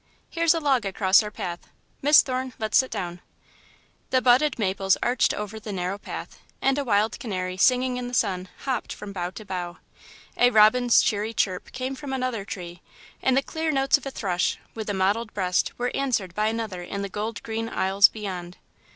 "Here's a log across our path, Miss Thorne; let's sit down." The budded maples arched over the narrow path, and a wild canary, singing in the sun, hopped from bough to bough. A robin's cheery chirp came from another tree, and the clear notes of a thrush, with a mottled breast, were answered by another in the gold green aisles beyond.